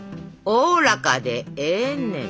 おおらかでええねん。